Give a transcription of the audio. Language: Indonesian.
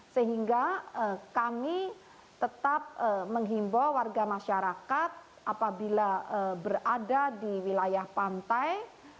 sehingga kami tetap menghimbau warga masyarakat apabila berada di wilayah pantai